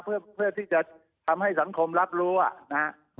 เพื่อที่จะทำให้สังคมรับรู้นะฮะ